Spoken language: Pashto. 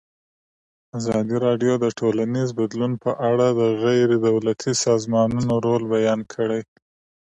ازادي راډیو د ټولنیز بدلون په اړه د غیر دولتي سازمانونو رول بیان کړی.